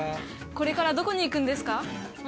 これからどこに行くんですか？